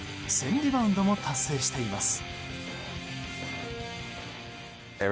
リバウンドも達成しています。